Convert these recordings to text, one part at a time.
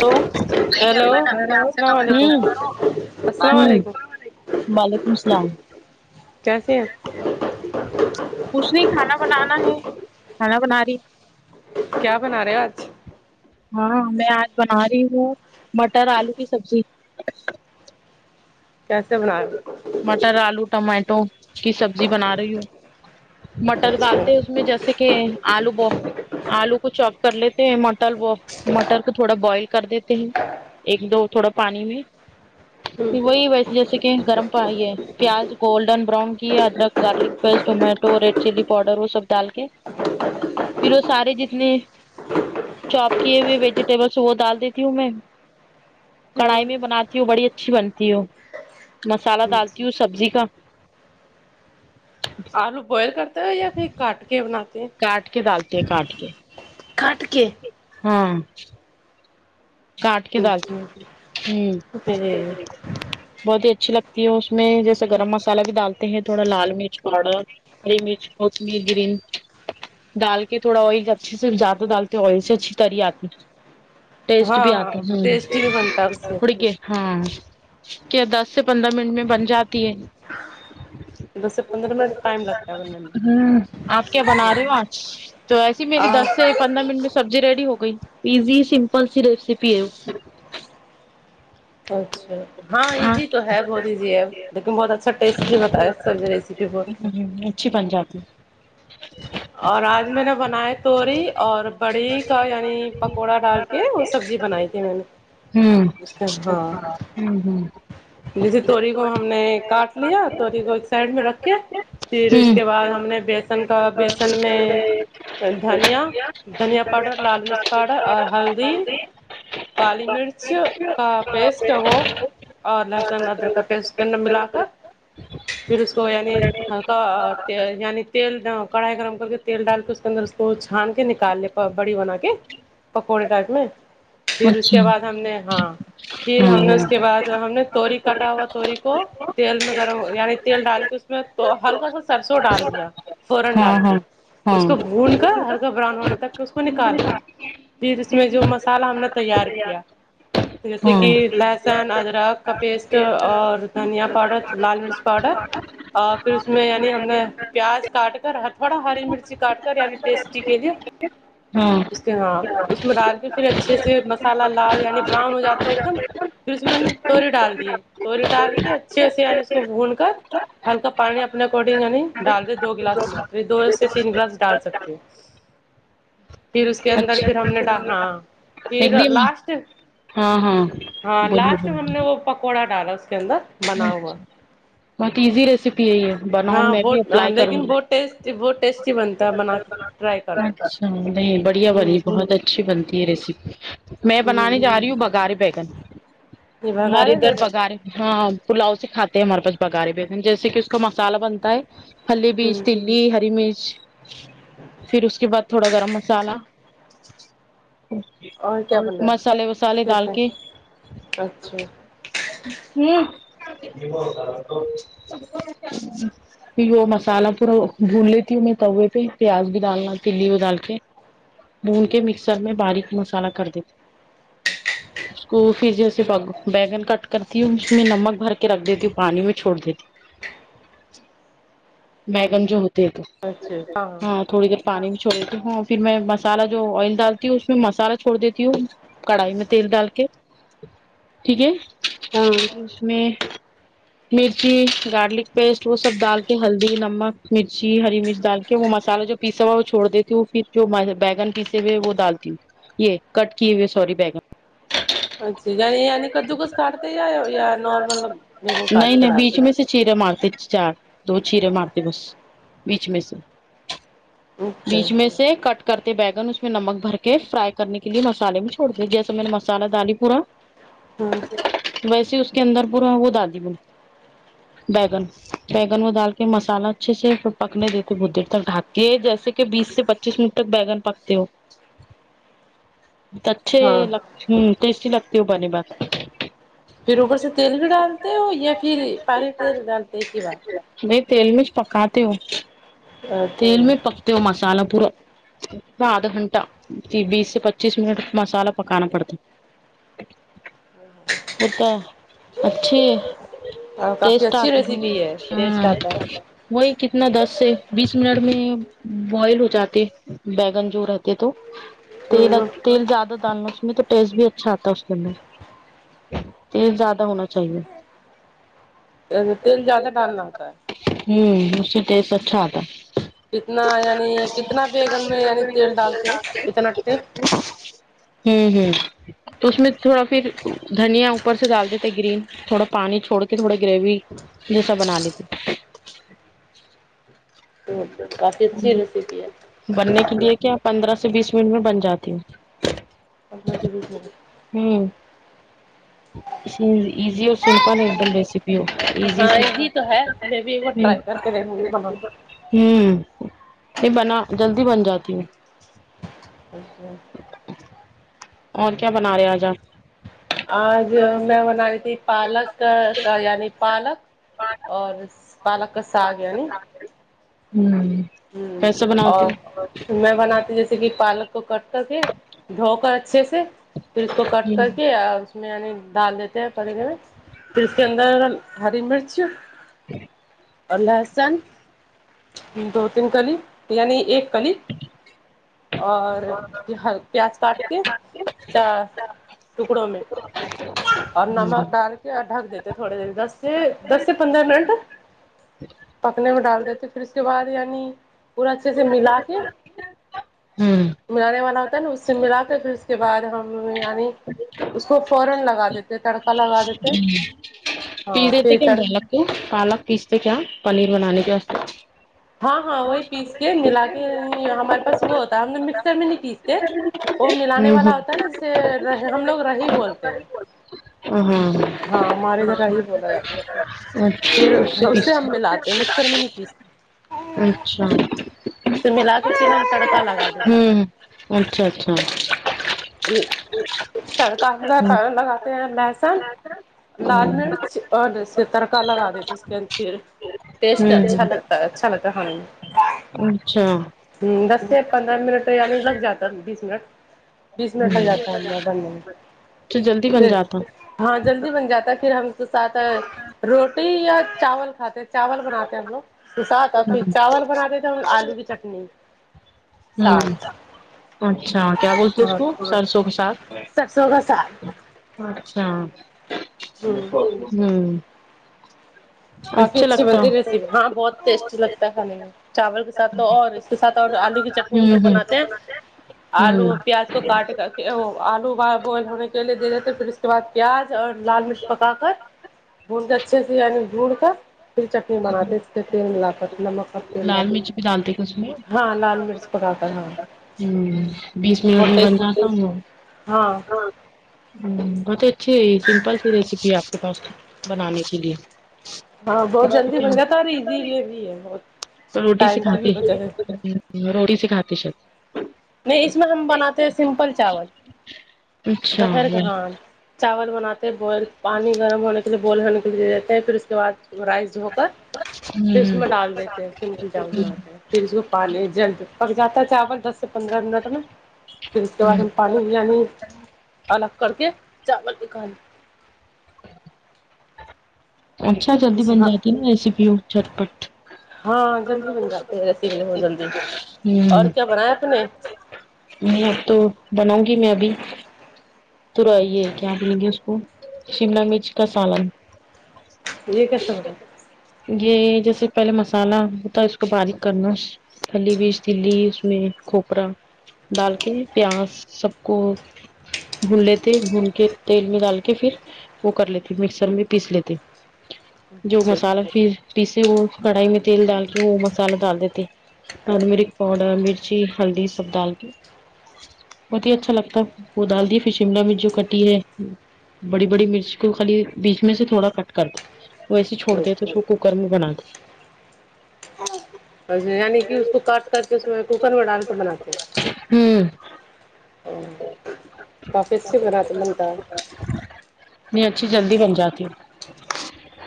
تو ہوں ہیلو السلام علیکم السلام ہوں علیکم وعلیکم السلام کیسیے ہیں کچھ نہیں کھانا بنانا ہے کھانا بنا ری کیا بنا رہے ہو آج ہاں میں آج بنا رہی ہوں مٹر آلو کی سبزی کیسے بنا مٹر آلو ٹمیاٹو کی سبزی بنا رہی ہوں مٹر اچھا ڈالتے ہیں اس میں جیسے کہ آلو ب آلو کو چوپ کر لیتے ہیں مٹر وہ مٹر کو تھوڑا بوائل کر دیتے ہیں ایک دو تھوڑا پانی میں ہوں وہی ویسے جیسے کہ گرم پائی یہ پیاز گولڈن براؤن کیا ادرک garlic paste tomato red chilli powder وہ سب ڈال کے پھر وہ سارے جتنے چاپ کیے ہوئے ویجیٹیبلس وہ ڈال دیتی ہوں میں کڑھائی ہوں میں بناتی ہو بڑی اچھی بنتی ہو مسالہ ڈالتی ہوں سبزی کا آلو بوائل کرتے ہو یا پھر کاٹ کے بناتے کاٹ کے ڈالتے ہیں کاٹ کے کاٹ کے ہاں کانٹ کے دال ٹی ہوں پھر بہت ہی اچھی لگتی ہے اس میں جیسے گرم مسالہ بھی دال تے ہیں تھوڑا لال مرچ پاؤڈر ہری مرچ ہوتی ہے گرین ڈال کے تھوڑا آئل اچھے سے زیادہ ڈالتے ہیں آئل سے اچھی تری آتی ٹیسٹ ہاں بھی آتا ہاں ہوں ٹیسٹی بھی بنتا ہے اس سے اڑے کے ہاں کے دس سے پندرہ منٹ میں بن جاتی ہے دس سے پندرہ منٹ ٹائم لگتا ہے بننے میں ہوں آپ کیا بنا رہے ہو آج تو ایسی میری دس سے پندرہ منٹ میں سبزی ریڈی ہو گئی ایزی سمپل سی ریسیپی ہے وہ کا اچھا ہاں ایزی تو ہے بہت ایزی ہے لیکن بہت اچھا ٹیسٹی بتا ہے سب ریسیپی بہت ہوں اچھی بن جاتی اور آج میں نے بناائے تور اور بڑی کا یعنی پکوڑا ڈال کیا وہ سبزی بنائی تھی میں نے ہوں اس نے ہاں ہوں ہوں ہوں جیسے تور کو ہم نے کاٹ لیا تو لیور کو سائڈ میں رکھ کے پھر اس کے بعد ہم نے بیسن کا کل میں دھنیا دھنیا پاؤڈر لال مرچ پاؤڈر اور ہلدی کالی مرچ کا پیسٹ وہ اور لہسن ادرک کا پیسٹ ان کے اندر ملا کر پھر اس کو یعنی ہلکا یعنی تیل کڑھائی گرم کے تیل ڈال کے اس کے اندر اس کو چھان کے نکال لے بڑی بنا کے پکوڑے ٹائپ میں پھر اس اچھا کے بعد ہم نے ہاں پھر ہم نے اس کے بعد ہاں ہم نے توری کاٹا ہاں ہوا توری کو تیل میں گرم یعنی تیل ڈال کے اس میں تو ہلکا سا سرسوں ڈال دیا فورن ڈال کے ہاں ہاں اس کو بھون کر ہلکا براؤن ہونا تک اس کو نکال کے پھر اس میں جو مسالہ ہم نے تیار کیا ہاں جیسے ہاں کہ لہسن ادرک کا پیسٹ اور دھنیا پاؤڈر لال مرچ پاؤڈر اور پھر اس میں یعنی ہم نے پیاز کاٹے کر تھوڑا ہری مرچی کاٹ کر یعنی ٹیسٹی کے لیے اس کے ہاں اس میں ڈال کے پھر اچھے سے مسالہ لال یعنی براؤن ہو جاتا ہے ایک دم پھر اس میں توری ڈال دیے توری ڈال کے اچھے سے یعنی اس کو بھون کر ہلکا پانی اپنے اکارڈنگ یعنی ڈال دیں دو گلاس ماترا یہ دو سے تین گلاس ڈال سکتے ہے پھر اس کے اندر اچھا پھر ہم نے ڈ ہاں ایک پھر دم لاسٹ ہاں ہاں ہاں بولیے لاسٹ ہم نے وہ پکوڑا ڈالا اس کے اندر بنا ہوا اچھا بہت ایزی ریسیپی ہے یہ بناؤں میں بھی اپلائی کروں گی ٹیسٹی بہت ٹیسٹی بنتا ہے بنا کے ٹرائی کرنا اچھا نہیں بڑھیا ہوں بنی بہت اچھی بنتی ہے ریسیپی میں بنانے ہوں جا رہی ہوں بگارے بیگن یہ ہمارے بگاڑے ادھر بیگن بگارے ہاں پلاؤ سے کھاتے ہیں ہمارے پاس بگارے بیگن جیسے کہ اس کا مسالہ بنتا ہے پھلی بھی ہوں تیل لی ہری مرچ پھر اس کے بعد تھوڑا گرم مسالہ کیا اور بنا مسالے وسالے ہے ڈال کیسے کے اچھا ہوں پھر وہ مسالہ پورا بھون لیتی ہوں میں توے پہ پیاز بھی ڈالنا تلی وہ ڈال کے بھون کے مکسر میں باریک مسالہ کر دیتے اس کو پھر جیسے بیگن کٹ کرتی ہوں اس میں نمک بھر کے رکھ دیتی ہوں پانی میں چھوڑ دیتی بیگن جو ہوتے ہے تو اچھا ہاں تھوڑی دیر پانی بھی چھوڑ دیتی ہوں پھر میں مسالہ جو آئل ڈالتی ہوں اس میں مسالہ چھوڑ دیتی ہوں کڑھائی میں تیل ڈال کے ٹھیک ہے ہاں اس میں مرچی گارلک پیسٹ وہ سب ڈال کے ہلدی، نمک، مرچی، ہری مرچ ڈال کے وہ مصالحہ جو پیسا ہوا وہ چھوڑ دیتی ہوں پھر جو م بیگن پیسے ہوئے وہ ڈالتی ہوں یہ کٹ کیے ہوئے سوری بیگن اچھا یعنی یعنی کدو کس کاٹتے ہیں اے ہو یا نارمل کاٹ نہیں کے نہیں ڈال بیچ میں سے چیرے مارتے چار دو چیرے مارتے بس بیچ میں سے اچھا بیچ میں سے کٹ کرتے بیگن اس میں نمک بھر کے فرائی کرنے کے لیے مصالحے میں چھوڑ دی جیسا میں نے مصالحہ دالی پورا ہاں ویسے اس کے اندر پو را وہ دالی بیگن بیگن وہ ڈال کے مصالحہ اچھے سے پکنے دے تو بہت دیر تک ڈھک کے جیسے کہ بیس سے پچیس منٹ تک بیگن پکتے ہو اچھے ہاں لگ ہ ٹیسٹی لگتے ہو بنے بعد پھر اوپر سے تیل بھی ڈالتے ہو یا پھر پاری تیل ڈالتے ہیں ایک ہی بات نہیں تیل میں یچ پکاتی ہوں تیل اچھا میں پکتے ہو مصالحہ پورا آدھا گھنٹہ تی بیس سے پچیس منٹ مصالحہ پکانا پڑتا اتا اچھی اور کافی ٹیسٹ اچھی آتے ریسیپی ہے ہ ٹیسٹ ہاں آتا وہی کتنا دس سے بیس منٹ میں بوائل ہو جاتے بیگن جو رہتے تو تیل ا ہے تیل زیادہ ڈالنا اس میں تو ٹیسٹ بھی اچھا آتا اس کے اندر تیل زیاد ہونا چاہیے ا تیل زیادہ ڈالنا ہوتا ہے ہوں اس سے ٹیسٹ اچھا آ کتنا یعنی کتنا بیگن میں یعنی تیل ڈالتے کتنا اتے ہ ہوں تو اس میں تھوڑا پھر دھنیا اوپر سے ڈال دیتے گرین تھوڑا پانی چھوڑ کے تھوڑا گریوی جیسا بنا لیتی کافی اچھی ہ ریسیپی ہے بننے کے لیے کیا پندرہ سے بیس منٹ میں بن جاتی ہوں اپنا کے بھی س ہ ایزی اور سمپل ہے ایک دم ریسیپی وه ایزی ہاں سی ہے تو ہے میں بھی ایک بار ہ ٹرائی کر کے دیکھوں گی بنانا ہوں نہیں بنا جلدی بن جاتی ہوں اچھا اور کیا بنا رہے آج آپ آج میں بنا رہی تھی پالک یعنی پالک اور پالک کا ساگ یعنی ہوں ہ کیسے بناتے اور ہو میں بناتی جیسے کہ پالک کو کٹ کر کے دھو کر اچھے سے پھر اس کو کٹ کر کے ا اس میں یعنی ڈال دیتے ہیں پرے پرے پھر اس کے اندر ہری مرچ اور لہسن دو تین کلی یعنی ایک کلی اور پیا پیاز کاٹ کے چا ٹکڑوں میں اور نمک ڈال کیا ڈھک دیتے تھوڑے دیر دس سے دس سے پندرہ منٹ پکنے میں ڈال دیتے پھر اس کے بعد یعنی پورا اچھے سے ملا کے امم ملانے والا ہوتا نا اس سے ملا کے پھر اس کے بعد ہم یعنی اس کو فورن لگا دیتے ہے تڑکا لگا دیتے پیس ہاں دیتے پھر کیا ہم تڑ پالک کو پالک پیستے کیا پنیر بنانے کےواسطے ہاں ہاں وہی پیس کے ملا کے ہمارے پاس وہ ہوتا ہم نے مکسر میں نہیں پیستے وہ ملانے ہوں والا ہوتا ہے نا جیسے ہم لوگ رہی بولتے ہیں ہوں ہاں ہاں ہمارے گھر رہی بولا جاتا ہے اس کو پھر اس سے ہم ملاتے تو مکسر میں نہیں پیستے اچھا تو ملا کر کےھر ہم تڑکا لگ امم اچھا اچھا تڑکہ ہوجاتا ہے پھر لگاتے ہیں لہسن لال ہوں مرچ اور جیسے تڑکا لگا دیتے اس کے اندر پھر ٹیسٹ اچھا لگتا ہے اچھا لگتا ہے کھانے میں اچھا امم دس سے پندرہ منٹ تو یعنی لگ جاتا ہےبیس منٹ بیس منٹ لگ جاتا ہے ہم واں بننے تو جلدی میں بن پھر جاتا ہوں ہاں جلدی بن جاتا ہے پھر ہم ساتھ روٹی یا چاول کھاتے چاول بناتے ہیں ہم لوگ ساتھ اور پھر چاول بناتے تھے ہم آلو کی چٹنی ساگ امم اچھا کیا بولتے اس کو سرسوں کے ساتھ سر سو کا ساگ اچھا ہوں امم کافی اچھی بنتی ہے ہاں بہت ٹیسٹی لگتا ہے کھانے میں چاول کے ساتھ تو اور اس کے ساتھ اور آلو کی چٹنی ہم لوگ ہوں بناتے ہیں ہوں آلو پیاز کو کاٹ کر کے وہ آلو بوائل ہونے کے کیلے دے دیتے پھر اس کے بعد پیاز اور لال مرچ پکا کر بھون کے اچھے سے یعنی بتا پھر چٹنی بناتے اس کے تیل ملا کر نمک کا تیل لال ڈالتے مرچ بھی ڈالتے کہ اس ہاں لال مرچ پکا کر ہاں امم بیس منٹ بہت میں بن ٹیسٹ جاتا ہونگا ہاں امم بہت ہی اچھی ہے سمپل سی ریسیپی ہے آپ کے پاس بنانے کے لیے ہاں بہت جلدی کیا بن جاتا ہے ابھی اور ایزی ریسیپی بھی ہے بہت روٹی سے ٹائم کی کھاتی بھی ہے بچت روٹی سے کھاتی شاید نہیں اس میں ہم بناتے ہیں سمپل چاول اچھا دوپہر کا ہوں ہاں چاول بناتے بوائل پانی گرم ہونے کے لیے بوائل ہونے کے لیے رکھتے ہیں پھر اس کے بعد رائس دھو کر پھر اس میں ڈال دیتے ہیں سمپل جامن بناتے ہیں پھر اس کو پانی جلد پک جاتا ہے چاول دس سے پندرہ منٹ میں پھر اس کے بعد ہوں ہم پانی یعنی الگ کر کے چاول بھی کھالے اچھا جلدی بن ہاں جاتی نا ریسیپیوں جھٹ پٹ ہاں جلدی بن جاتے ہیں ریسیپی بہت جلدی اور امم کیا بنایا آپ نے نہیں اب تو بناؤں گی میں ابھی ٹرائے یہ کیا بولیں گے اس کو شملہ مرچ کا سالن یہ کیسا بنا یہ جیسے پہلے مسالہ ہوتا ہے اس کو باریک کرنا پھلی بیج تیلی اس میں کھوپرا ڈال کے پیاز سب کو بھون لیتے بھون کے تیل میں ڈال کے فیر وہ کر لیتے مکسر میں پیس لیتے جو مسالہ اچھا پھر پیسے وہ کڑھائی میں تیل ڈالتے وہ مسالہ ڈال دیتے ٹرمیرک پاؤڈر مرچی ہلدی سب دال کے بہت ہی اچھا لگتا ہے وہ دال دیے پھر شملہ مرچ جو کٹی ہے بڑی بڑی مرچ کو خالی بیچ میں سے تھوڑا کٹ کر دو ویسیچ چھوڑ دے تو اس کوکرم بنا کے یعنی کہ اس کو کاٹ کر کے اس میں کوکر میں ڈال کے بناتے ہوں ا کافی اس سے بناتے بنتا ہے نہیں اچھی جلدی بن جاتی ہے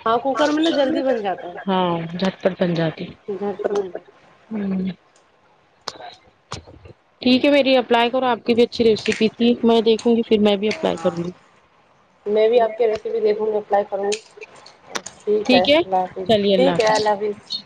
ہاں کوکر میں نا جلدی بن جاتا ہے ہاں جھٹ پٹ بن جاتی گھر پر بن جاتا ہوں ٹھیک ہے میری اپلائی کرو آپ کے اچھی ریسیپی تھی میں دیکھوں گی پھر میں بھی اپلائی ہاں کروں گی میں بھی آپ کے ریسیپی دیکھوں گی رپلائی کروں گی ٹھیک ہے اللہ حافظ ٹھیک ہے اللہ حافظ جی